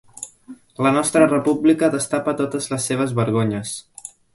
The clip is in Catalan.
La nostra república destapa totes les seves vergonyes.